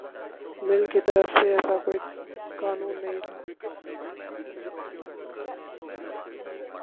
مل کی طرف سے ایسا کوئی قانون نہیں تھا